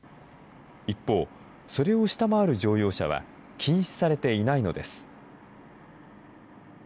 一方、それを下回る乗用車は禁止されていないのです。